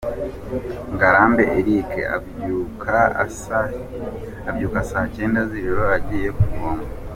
Ngarambe Eric, abyuka saa cyenda z’ijoro agiye kuvoma.